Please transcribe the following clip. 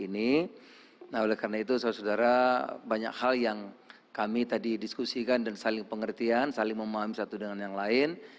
nah banyak hal yang kami tadi diskusikan dan saling pengertian saling memahami satu dengan yang lain